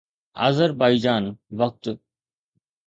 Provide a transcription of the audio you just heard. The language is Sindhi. آذربائيجان وقت